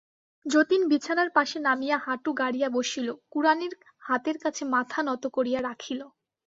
যতীন বিছানার পাশে নামিয়া হাঁটু গাড়িয়া বসিল, কুড়ানির হাতের কাছে মাথা নত করিয়া রাখিল।